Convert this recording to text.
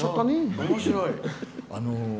いや、おもしろい。